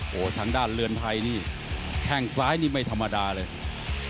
โอ้โหทางด้านเรือนไทยนี่แข้งซ้ายนี่ไม่ธรรมดาเลย